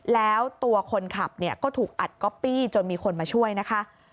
แล้วตัวคนขับเนี่ยก็ถูกอัดก๊อปปี้จนมีคนมาช่วยนะคะ